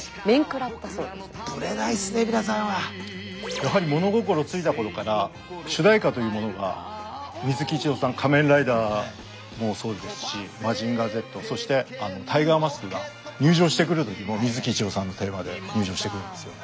やはり物心ついた頃から主題歌というものが水木一郎さん「仮面ライダー」もそうですし「マジンガーＺ」そしてタイガーマスクが入場してくる時も水木一郎さんのテーマで入場してくるんですよね。